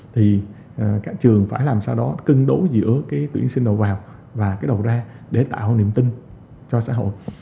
thì các trường phải làm sao đó cân đối giữa cái tuyển sinh đầu vào và cái đầu ra để tạo niềm tin cho xã hội